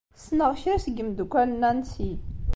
Ssneɣ kra seg yimeddukal n Nancy.